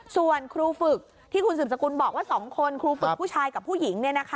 ส่วนครูฝึกที่คุณสืบสกุลบอกว่า๒คนครูฝึกผู้ชายกับผู้หญิง